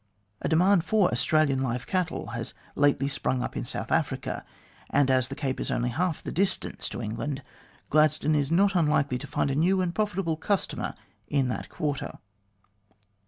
A demand for Australian live cattle has lately sprung up in South Africa, and as the Cape is only half the distance to England, Gladstone is not unlikely to find a .new and profitable customer in that quarter.